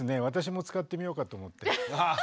私も使ってみようかと思って。